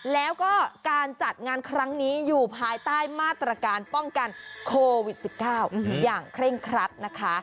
แล้วก็การจัดงานครั้งนี้อยู่ภายใต้มาตรการป้องกันโควิด๑๙อย่างเคร่งครัดนะคะ